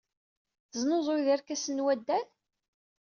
Tesnuzuyeḍ irkasen n waddal?